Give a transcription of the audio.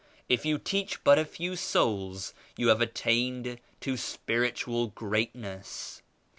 If you teach but a few souls you have attained to spiritual great ness.